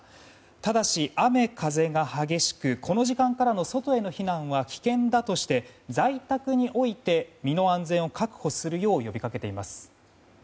ただし、雨風が激しくこの時間からの外への避難は危険だとして在宅において身の安全を確保するよう呼びかけています。